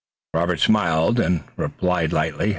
Robert smiled and replied lightly.